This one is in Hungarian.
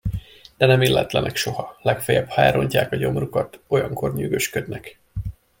De nem illetlenek soha, legföljebb, ha elrontják a gyomrukat, olyankor nyűgösködnek.